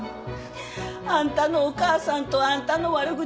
あんたのお母さんとあんたの悪口